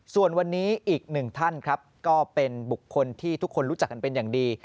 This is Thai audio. ส่วนวันนี้อีกหนึ่งท่านครับก็เป็นบุคคลที่ทุกคนรู้จักกันเป็นอย่างดี